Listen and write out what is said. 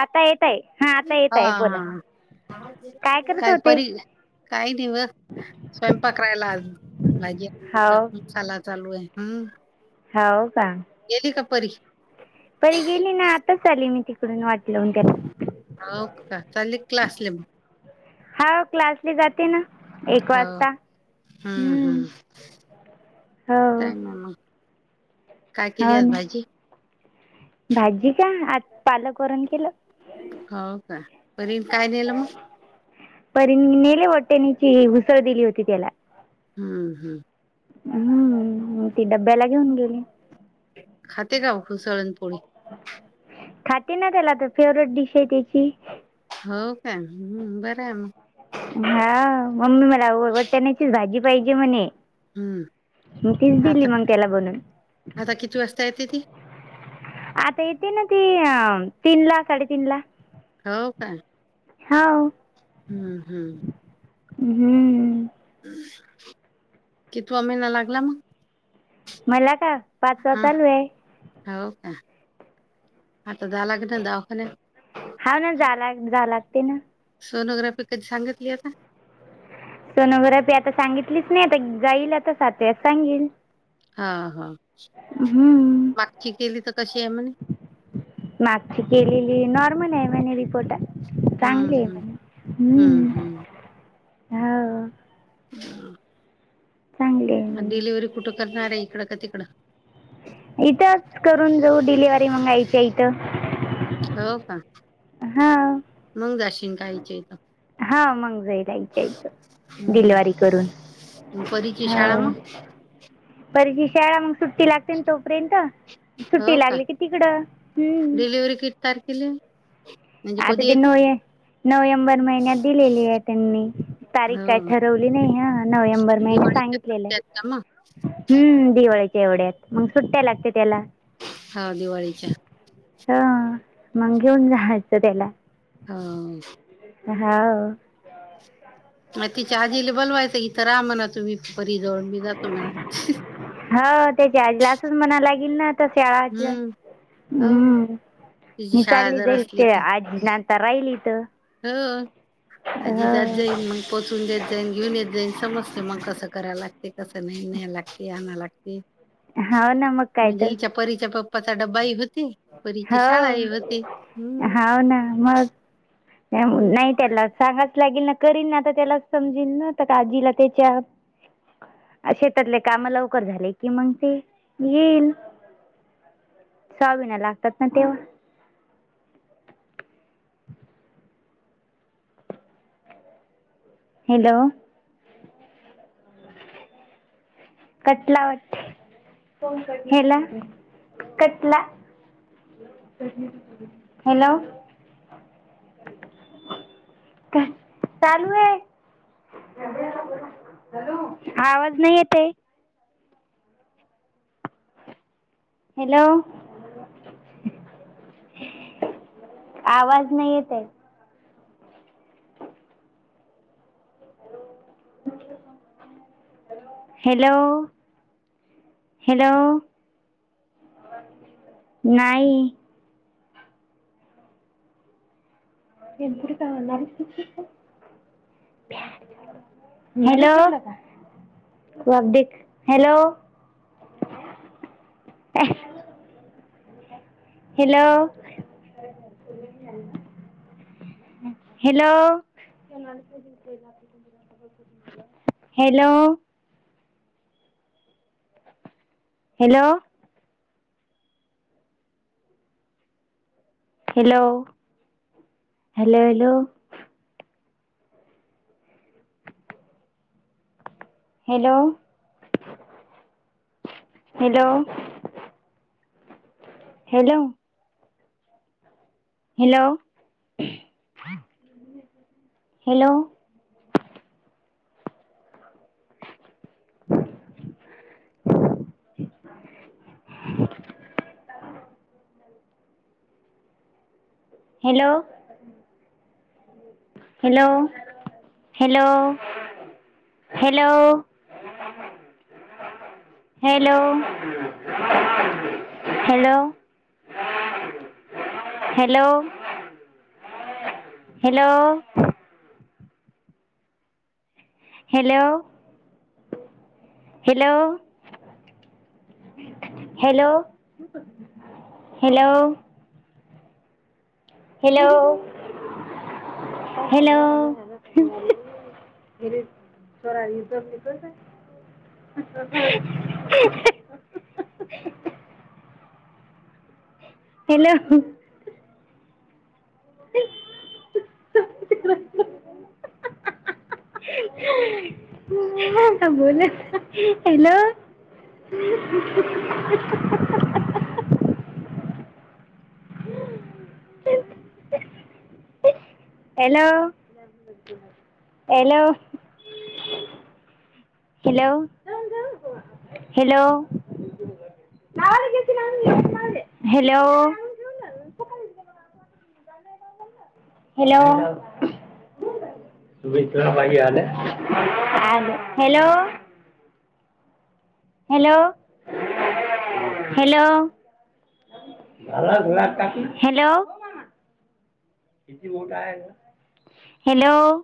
आता येतय हा आता येतय बोला. आज करत काय होते परी काही दिवस स्वयंपाकरायला हो चला चालू आहे हम्म हो का? गेली का परी परी गेली ना आताच आली मी तिकडून वाट लावून त्याला हो का चाले क्ला असले मग होा क्लासली जाते ना. एक हो वाजता हम्म हम्म हो काय म काय केली हो आ ना भाजी भाजी का आ पालक वरण केलं. हो का परीन काय नेलं मग पर मी नीली वाटाण्याची उसळ दिली होती त्याला हम्म हम्म. हम्म ती डब्याला घेऊन गेली. खाते का ओ उसळ आणि पोळी खाते ना त्याला तर फेवरेट डिश आहे त्याची हो का हम्म बर मग. हा मम्मी मला वटण्याचीच भाजी पाहिजे म्हणे हम्म मग तीच दिली आता मग त्याला बनून आता किती वाजता येते ती‌ आता येते ना ती अ तीन ला साडेतीन ला हो का? हाव हम्म हम्म. हम्म. कितवा महिना लागला मग मला का पाचवा हा चालू आहे. हो का आता झाला की नी दवाखान्यात हा ना जाला जावं लागते ना. सोनोग्राफी कधी सांगितली आता. सोनोग्राफी आता सांगितलीच नाही आता जाईल आता सातव्यात सांगेल. हा हा. हम्म कशी आहे म्हणे? मागची केलेली नॉर्मल आहे म्हने रिपोर्ट. हं, चांगली हं. आहे हं, हम्म हं. हो हम. चांगलिये. मग डिलिव्हरी कुठं करणार आहे इकडं का तिकडं इथंच करून जाऊ डिलेव्हरी मग आईच्या इथं हो का? हा. मग जाशीन का आईच्या इथ हा मग जाईल ऐचचं हं. डिलिवारी करून मग परीची हो शाळा मग? बरीच शाळा मग सुट्टी लागते ना तोपर्यंत हो सुट्टी का? लागली की तिकडं हम् डिलिव्हरी किती तारखेला. म्हणजे आता कधी तेी येते? नो नोव्हेंबर महिन्यात दिलेली आहे त्यांनी. तारीख काय हो. ठरवली नाही हा नोव्हेंबर महिने दिवाळीच्या सांगितलेलं आहे. सुट्ट्यात का मग? हम्म दिवाळीच्या एवढ्यात मग सुट्ट्या लागते त्याला. हा दिवाळीच्या. ह मग घेऊन जाहायचं त्याला. हो. होा. मग तिच्या आजीले बलवायचं इथं राहा म्हणा तुम्ही परी जवळ मी जातो म्हणा. हो त्याच्या आजला असून म्हणा लागेल ना. शळाच्या हं. हो. हम्म तिची मी शाळा चालली जर जाईल असली ते तर. आजी ना. तर राहिल इथं. हो आजी जात हो जाईल मग. पोचून देत जाईन घेऊन येत जाईन समजते मग कसं करायला लागते कसं नाही न्याय लागते आणा लागते होा न मग कायत. म्हणजे हिच्या परीच्या पप्पाचा ड्बाही होते परीची शाळाही होते हम्. हाव हो ना मग नाही. त्याला सांगाच लागेल ना करीन ना आता त्याला समजेन ना तर आजीला त्याच्या. शेतातले काम लवकर झाले की मग ते येईल. सवा महिना लागतात ना तेव्हा. हॅलो! कट केला वाटतं कट केला. हॅलो! चालू आहे. आवाज नाही येते. हॅलो! आवाज नाही येते. [unintelligible] Hello hello! नाही. ए तरी काणार. Hello hello! Hello! Hello! Hello! Hello! Hello hello hello! Hello! Hello! Hello! Hello! Hello! [unintelligible] Hello! Hello hello hello! Hello hello! Hello hello! Hello hello! Hello hello! Hello hello! [unintelligible] [unintelligible] Hello [inaudible] आता बोला hello [inaudible] hello hello hello hello hello hello hello hello hello hello [unintelligible] hello